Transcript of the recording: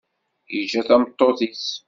Yeǧǧa tameṭṭut-is.